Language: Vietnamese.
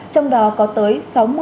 trong đó có tới sáu mươi bảy mươi